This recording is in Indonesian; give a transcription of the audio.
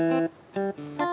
aduh aku bisa